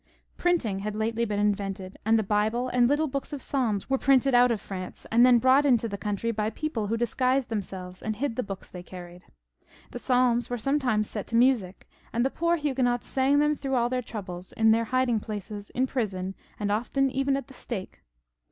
Printing had lately been invented, and the Bible and little books of psalms ^ere printed out of France, and then brought into the country by people who disguised themselves and hid the books they carried. The psalms were sometimes set to music, and the poor Huguenots sang them through all their troubles, in their hiding places, in prison, and often even at the stake.